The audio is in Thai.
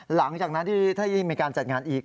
หลังจากนั้นที่จะมีการจัดงานอีก